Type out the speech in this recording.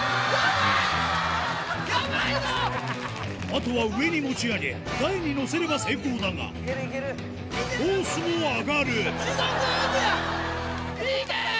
あとは上に持ち上げ台に載せれば成功だがホースも上がる地獄絵図や！